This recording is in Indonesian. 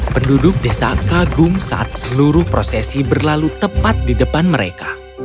penduduk desa kagum saat seluruh prosesi berlalu tepat di depan mereka